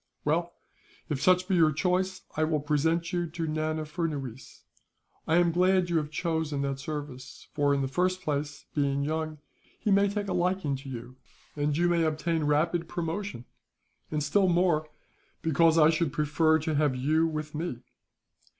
"Well, if such be your choice, I will present you to Nana Furnuwees. I am glad that you have chosen that service for, in the first place, being young, he may take a liking to you, and you may obtain rapid promotion; and still more, because I should prefer to have you with me."